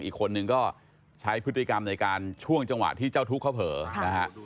อีกคนนึงก็ใช้พฤติกรรมในการช่วงจังหวะที่เจ้าทุกข์เขาเผลอนะฮะ